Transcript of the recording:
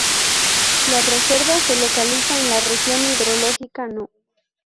La Reserva se localiza en la región hidrológica No.